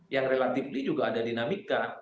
yang relatif juga ada dinamika